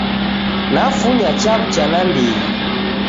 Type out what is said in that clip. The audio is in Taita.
Nafunya chaw'ucha nandighi